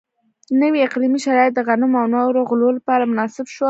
نوي اقلیمي شرایط د غنمو او نورو غلو لپاره مناسب شول.